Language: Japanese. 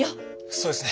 そうですね。